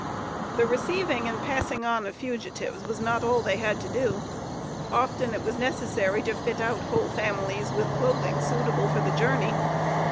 The receiving and passing on of fugitives, was not all they had to do. Often it was necessary to fit out whole families with clothing suitable for the journey.